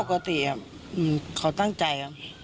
ปกติเขาตั้งใจ